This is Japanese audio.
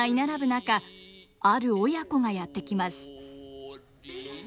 中ある親子がやって来ます。